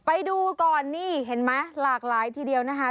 ไปดูก่อนนี่เห็นไหมหลากหลายทีเดียวนะคะ